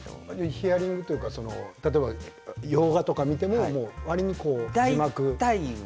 ヒアリングというか例えば洋画とか見てもわりに字幕を。